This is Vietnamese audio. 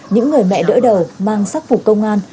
những người mẹ đỡ đầu mang sắc phục công an